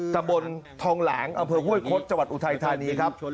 ตำบลทองหลางอำเภอห้วยคดจังหวัดอุทัยธานีครับ